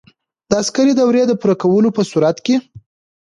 د عسکري دورې د پوره کولو په صورت کې.